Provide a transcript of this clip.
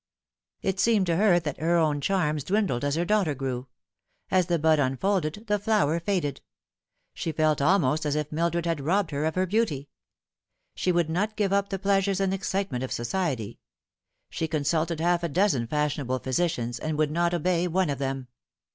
It seemed to her that her own charms dwindled as her daughter grew. As the bud unfolded, the flower faded. She felt almost as if Mildred had robbed her of her beauty. She would not give up the pleasures and excitement of society. She consulted half a dozen fashionable physicians, and would not obey one of them.